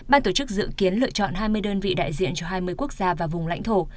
ban tổ chức dự kiến lựa chọn hai mươi đơn vị đại diện cho hai mươi quốc gia và vùng lãnh thổ